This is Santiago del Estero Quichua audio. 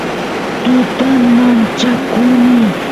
tutan manchakuni